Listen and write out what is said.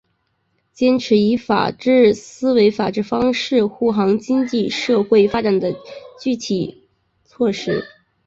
坚持以法治思维法治方式护航经济社会发展的具体措施